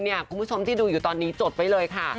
คุณผู้ชมที่ดูอยู่ตอนนี้จดไว้เลยค่ะ